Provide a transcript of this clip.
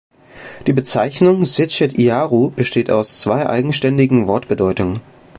Die Bezeichnung Sechet-iaru besteht aus zwei eigenständigen Wortbedeutungen.